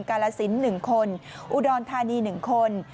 กาลสิน๑คนอุดรธานี๑คน